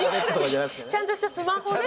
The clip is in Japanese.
ちゃんとしたスマホで。